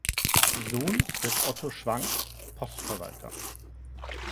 Sohn des Otto Schwank (Postverwalter).